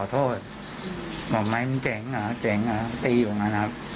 ขอโทษบอกไม่มันเจ๋งอ่ะเจ๋งอ่ะตีอยู่ข้างนั้นครับ